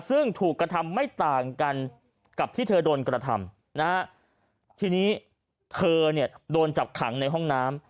ซึ่งถูกกระทำไม่ต่างกันกับที่เธอโดนกระทำนะฮะทีนี้เธอเนี่ยโดนจับขังในห้องน้ำ